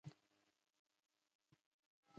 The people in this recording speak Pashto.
تجارت کول د شتمنۍ ترلاسه کولو یوه ښه وسیله وه